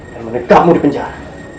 dan menekapmu di penjara